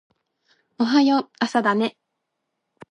おはよう朝だね